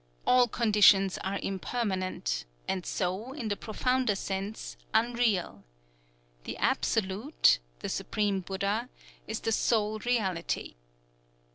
All conditions are impermanent, and so, in the profounder sense, unreal. The Absolute, the Supreme Buddha, is the sole Reality.